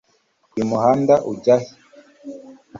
Uyu muhanda ujya he